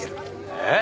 えっ？